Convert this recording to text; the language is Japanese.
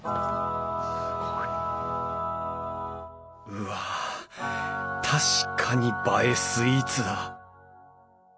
うわ確かに映えスイーツだ。